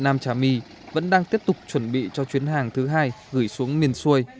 nam trà my vẫn đang tiếp tục chuẩn bị cho chuyến hàng thứ hai gửi xuống miền xuôi